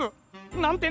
なんてね！